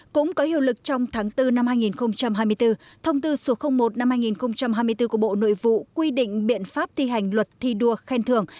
cũng có hiệu lực trong tháng bốn năm hai nghìn hai mươi bốn thông tư số một năm hai nghìn hai mươi bốn của bộ nội vụ quy định biện pháp thi hành luật thi đua khen thường